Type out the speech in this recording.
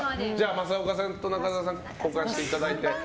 正岡さんと中沢さん交換していただいて。